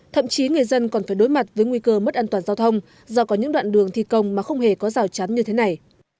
thậm chí người dân còn phải đối mặt với nguy cơ mất an toàn giao thông do có những đoạn đường thi công mà không hề có rào chắn như thế này